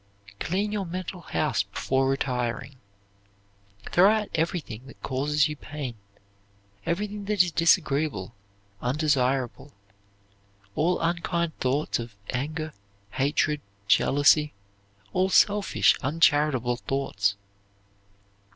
Clean your mental house before retiring. Throw out everything that causes you pain, everything that is disagreeable, undesirable; all unkind thoughts of anger, hatred, jealousy, all selfish, uncharitable thoughts.